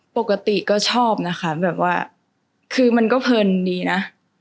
ปกติก็ชอบนะคะแบบว่าคือมันก็เพลินดีนะ